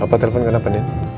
papa telepon kenapa din